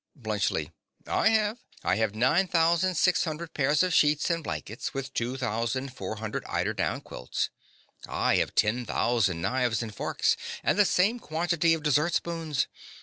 BLUNTSCHLI. I have. I have nine thousand six hundred pairs of sheets and blankets, with two thousand four hundred eider down quilts. I have ten thousand knives and forks, and the same quantity of dessert spoons.